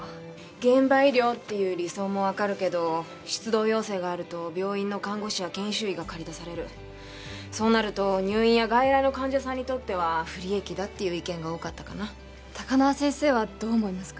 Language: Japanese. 現場医療っていう理想も分かるけど出動要請があると病院の看護師や研修医が駆り出されるそうなると入院や外来の患者さんにとっては不利益だっていう意見が多かったかな高輪先生はどう思いますか？